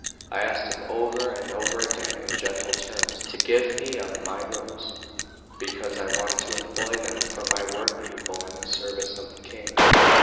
I asked him over and over again in gentle terms to give me up my rooms, because I wanted to employ them for my work people in the service of the King.